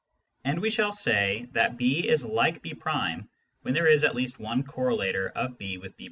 And we shall say that B is like B' when there is at least one correlator of B with B'.